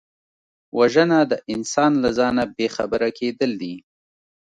وژنه د انسان له ځانه بېخبره کېدل دي